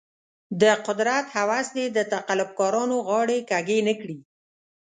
د قدرت هوس دې د تقلب کارانو غاړې کږې نه کړي.